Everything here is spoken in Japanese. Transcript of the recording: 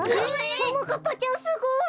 ももかっぱちゃんすごい。